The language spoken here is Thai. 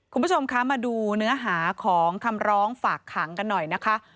คุณผู้ชมคะมาดูเนื้อหาของคำร้องฝากขังกันหน่อยนะคะ